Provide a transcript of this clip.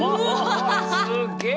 すげえ。